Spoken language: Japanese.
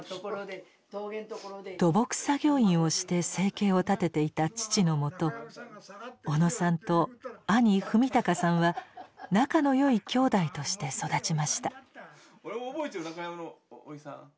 土木作業員をして生計を立てていた父のもと小野さんと兄史敬さんは仲の良い兄弟として育ちました。